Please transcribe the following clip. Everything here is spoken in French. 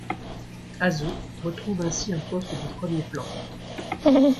Asō retrouve ainsi un poste de premier plan.